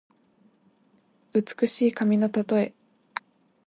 美しい髪のたとえ。